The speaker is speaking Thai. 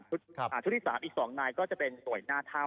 ชุดที่๓อีก๒นายก็จะเป็นหน่วยหน้าถ้ำ